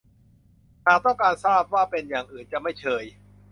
หากต้องการทราบว่าเป็นอย่างอื่นจะไม่เชย